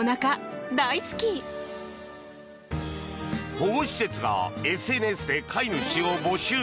保護施設がＳＮＳで飼い主を募集。